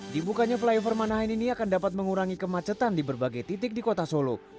dibukanya flyover manahan ini akan dapat mengurangi kemacetan di berbagai titik di kota solo